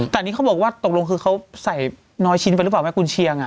แต่อันนี้เขาบอกว่าตกลงคือเขาใส่น้อยชิ้นไปหรือเปล่าแม่กุญเชียง